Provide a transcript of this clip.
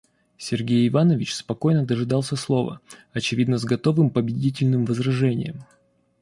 Сергей Иванович спокойно дожидался слова, очевидно с готовым победительным возражением.